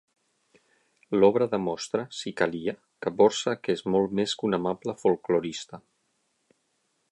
L'obra demostra, si calia, que Dvořák és molt més que un amable folklorista!